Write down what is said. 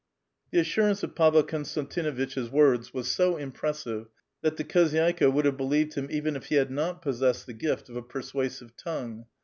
The assurance of Pavel Konstantinuitch's words was so impressive that the khozydtka would have believed him even if he had not possessed the gift of a persuasive tongue.